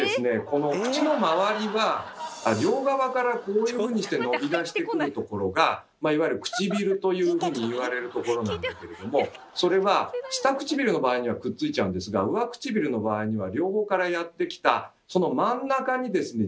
この口の周りは両側からこういうふうにして伸び出してくるところがいわゆるくちびるというふうに言われるところなんだけれどもそれは下唇の場合にはくっついちゃうんですが上唇の場合には両方からやって来たその真ん中にですね